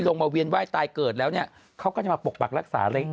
ไม่ลงมาเวียนไหว้ตายเกิดแล้วเขาก็จะมาปกปักรักษาเลย